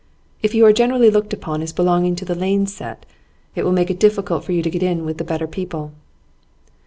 If you are generally looked upon as belonging to the Lanes' set it will make it difficult for you to get in with the better people.